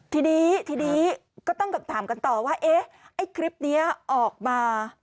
ทีนี้ทีนี้ก็ต้องถามกันต่อว่าเอ๊ะไอ้คลิปนี้ออกมา